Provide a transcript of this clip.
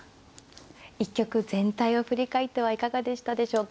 一局全体を振り返ってはいかがでしたでしょうか。